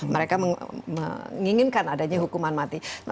mereka menginginkan adanya hukuman mati